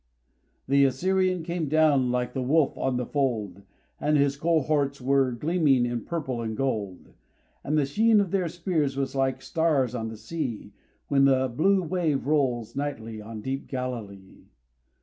THE Assyrian came down like the wolf on the fold, And his cohorts were gleaming in purple and gold; And the sheen of their spears was like stars on the sea, When the blue wave rolls nightly on deep Galilee.